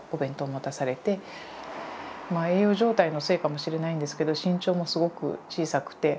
まあ栄養状態のせいかもしれないんですけど身長もすごく小さくて。